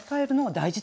大事！